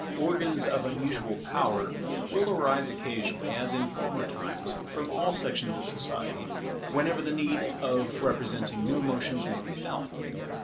Organs of unusual power will arise occasionally, as in former times, from all sections of society, whenever the need of representing new emotions may be felt.